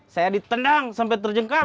saya ditendang sampai terjengkang